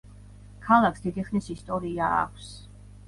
ქალაქს დიდი ხნის ისტორია აქვს.